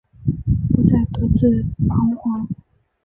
不再独自徬惶